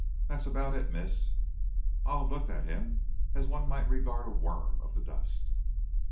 "That's about it, miss." Olive looked at him as one might regard a worm of the dust.